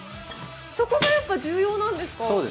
そこが重要なんですか？